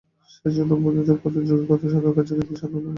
সেই জন্য বুদ্ধদেব কত যোগী, কত সাধুর কাছে গিয়ে শান্তি পেলেন না।